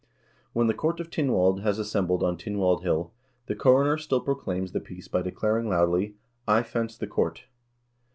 When the Court of Tynwald has assembled on Tynwald Hill, the coroner still proclaims the peace by declaring loudly: "I fence the court."